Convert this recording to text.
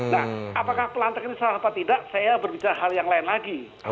nah apakah pelantak ini salah apa tidak saya berbicara hal yang lain lagi